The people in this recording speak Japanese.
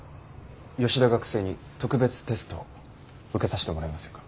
吉田学生に特別テストを受けさしてもらえませんか？